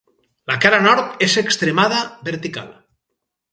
La cara nord és extremada vertical.